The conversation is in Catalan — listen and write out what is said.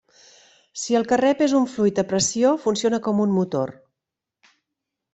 Si el que rep és un fluid a pressió funciona com un motor.